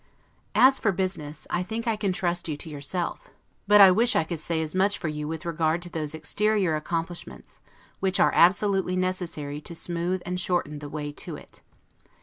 As for business, I think I can trust you to yourself; but I wish I could say as much for you with regard to those exterior accomplishments, which are absolutely necessary to smooth and shorten the way to it.